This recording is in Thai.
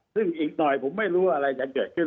ซึ่งอีกหน่อยผมไม่รู้อะไรจะเกิดขึ้น